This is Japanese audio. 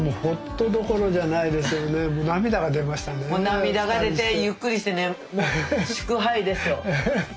涙が出てゆっくりしてね祝杯ですよ。